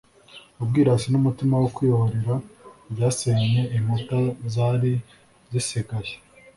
ubwirasi n’umutima wo kwihorera byasenye inkuta zari zisigaye,